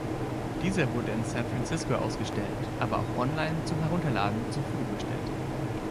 Dieser wurde in San Francisco ausgestellt, aber auch online zum Herunterladen zur Verfügung gestellt.